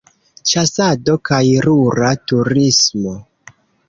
Ĉasado kaj rura turismo.